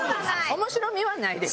面白みはないです。